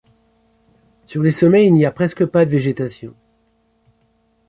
Sur les sommets il n'y a presque pas de végétation.